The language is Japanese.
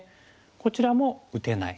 こちらも打てない。